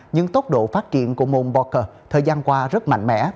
nhưng tốc độ phát triển của môn poker thời gian qua rất mạnh mẽ